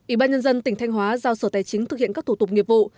ủy ban nhân dân tỉnh thanh hóa giao sở tài chính thực hiện các thủ tục nghiệp vụ